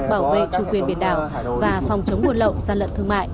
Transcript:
bảo vệ chủ quyền biển đảo và phòng chống buồn lộn gian lận thương mại